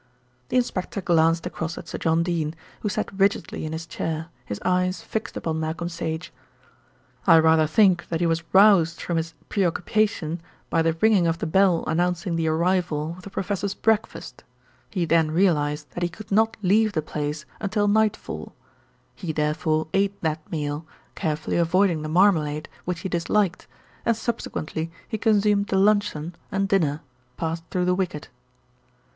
The inspector glanced across at Sir John Dene, who sat rigidly in his chair, his eyes fixed upon Malcolm Sage. "I rather think that he was aroused from his preoccupation by the ringing of the bell announcing the arrival of the professor's breakfast. He then realised that he could not leave the place until nightfall. He therefore ate that meal, carefully avoiding the marmalade, which he disliked, and subsequently he consumed the luncheon, and dinner, passed through the wicket."